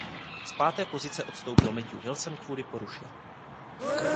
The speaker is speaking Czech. Z páté pozice odstoupil Matthew Wilson kvůli poruše.